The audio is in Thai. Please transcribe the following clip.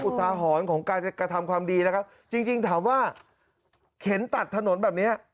อุทาหรณ์ของการจะกระทำความดีนะครับจริงจริงถามว่าเข็นตัดถนนแบบเนี้ย